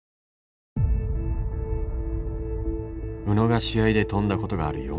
宇野が試合で跳んだことがある